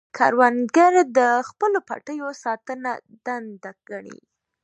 کروندګر د خپلو پټیو ساتنه دنده ګڼي